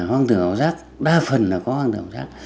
hoang tưởng ảo giác đa phần là có hoang tưởng ảo giác